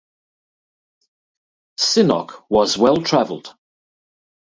Sinnock was well-traveled.